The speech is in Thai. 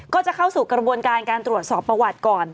ก็จะเข้าสู่กระบวนการการตรวจสอบประวัติก่อน